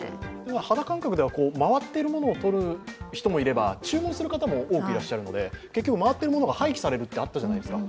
肌感覚では、回っているものを取る人もいれば注文する人も多くいるため、結局回っているものが廃棄されるってあったじゃないですか。